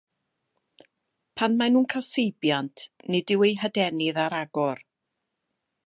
Pan maen nhw'n cael seibiant nid yw eu hadenydd ar agor.